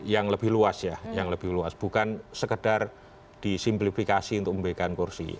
yang lebih luas ya yang lebih luas bukan sekedar disimplifikasi untuk memberikan kursi